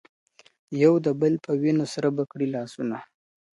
یو د بل په وینو سره به کړي لاسونه.